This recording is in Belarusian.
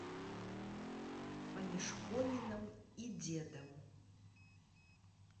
Паміж комінам і дзедам.